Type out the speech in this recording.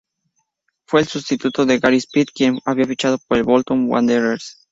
Fue el sustituto de Gary Speed, quien había fichado por el Bolton Wanderers.